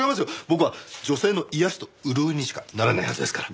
僕は女性の癒やしと潤いにしかならないはずですから。